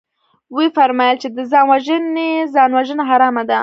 ويې فرمايل چې ده ځان وژلى ځانوژنه حرامه ده.